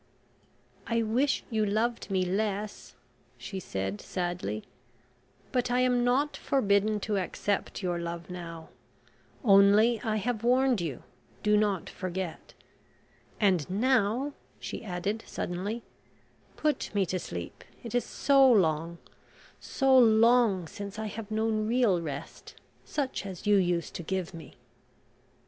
"I wish you loved me less," she said sadly. "But I am not forbidden to accept your love now; only, I have warned you, do not forget. And now " she added suddenly: "Put me to sleep... it is so long, so long, since I have known real rest, such as you used to give me."